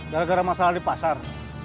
gara gara masalah di pasar